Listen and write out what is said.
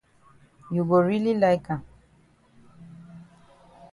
You go really like am